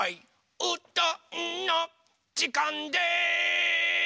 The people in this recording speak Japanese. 「うどんのじかんです！」